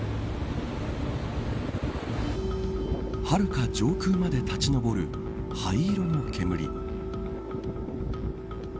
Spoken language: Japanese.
はるか上空まで立ち昇る灰色の煙。